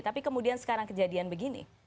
tapi kemudian sekarang kejadian begini